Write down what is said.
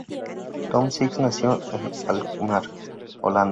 Tom Six nació en Alkmaar, Holanda.